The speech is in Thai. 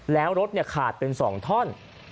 แล้วรถขาดเป็น๒ท่อน